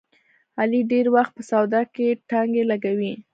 علي ډېری وخت په سودا کې ټانګې لګوي.